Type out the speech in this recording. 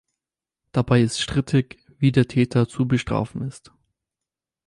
Dabei ist strittig, wie der Täter zu bestrafen ist.